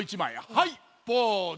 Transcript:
はいポーズ！